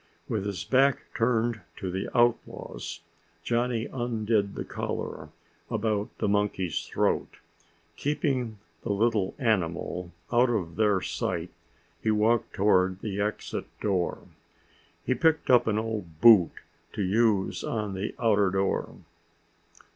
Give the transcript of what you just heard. With his back turned to the outlaws, Johnny undid the collar about the monkey's throat. Keeping the little animal out of their sight he walked toward the exit door. He picked up an old boot to use on the outer door.